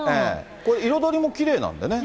これ、彩りもきれいなんでね。